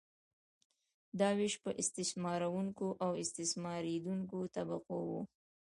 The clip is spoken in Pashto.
دا ویش په استثمارونکې او استثماریدونکې طبقو وو.